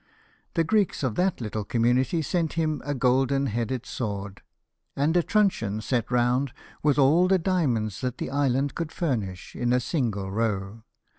The Greeks of that little community sent him a golden headed sword, and a truncheon set round with all the diamonds that the island could furnish, in a single row.